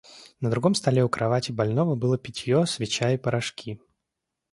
На другом столе у кровати больного было питье, свеча и порошки.